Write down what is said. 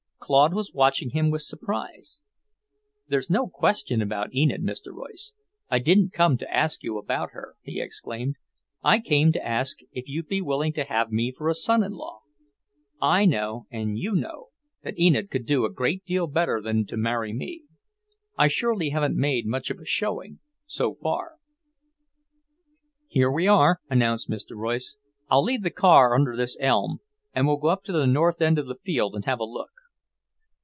Claude was watching him with surprise. "There's no question about Enid, Mr. Royce. I didn't come to ask you about her," he exclaimed. "I came to ask if you'd be willing to have me for a son in law. I know, and you know, that Enid could do a great deal better than to marry me. I surely haven't made much of a showing, so far." "Here we are," announced Mr. Royce. "I'll leave the car under this elm, and we'll go up to the north end of the field and have a look."